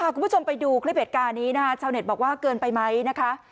คุณผู้ชมไปดูคลิปเหตุการณ์นี้นะคะชาวเน็ตบอกว่าเกินไปไหมนะคะ